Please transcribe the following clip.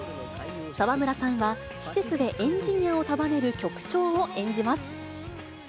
沢村さんは、施設でエンジニアを束ねる局長を演じます。